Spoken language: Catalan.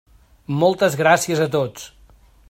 Moltes gràcies a tots.